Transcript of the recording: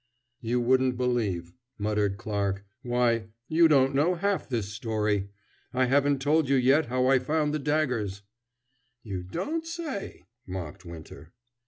"You wouldn't believe," muttered Clarke. "Why, you don't know half this story. I haven't told you yet how I found the daggers " "You don't say," mocked Winter.